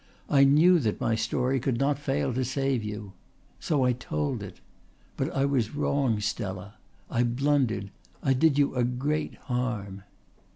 I knew that my story could not fail to save you. So I told it. But I was wrong, Stella. I blundered. I did you a great harm."